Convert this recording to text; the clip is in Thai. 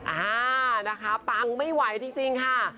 อ่านะคะปังไม่ไหวจริงค่ะ